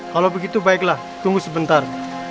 kalau begitu baiklah tunggu sebentar